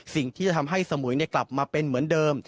สิ่งที่จะทำให้สมุยกลับมาเป็นเหมือนเดิม